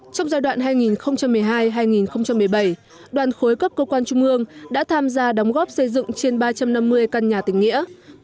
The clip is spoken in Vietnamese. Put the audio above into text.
trong giai đoạn hai nghìn một mươi hai hai nghìn một mươi bảy đoàn khối các cơ quan trung ương đã tham gia đóng góp xây dựng trên ba trăm năm mươi căn nhà tình nghĩa